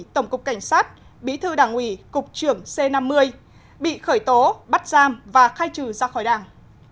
tổng cục cảnh sát bí thư đảng ủy cục trưởng c năm mươi bị khởi tố bắt giam và khai trừ ra khỏi đảng